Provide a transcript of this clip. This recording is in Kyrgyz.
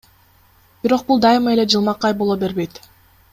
Бирок бул дайыма эле жылмакай боло бербейт.